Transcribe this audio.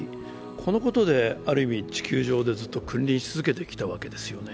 このことである意味、地球上でずっと君臨し続けてきたわけですよね。